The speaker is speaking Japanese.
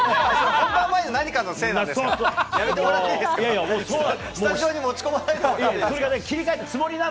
本番前の何かのせいなんですそうなの。